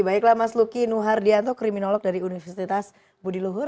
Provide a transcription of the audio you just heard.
baiklah mas luki nuhardianto kriminolog dari universitas budi luhur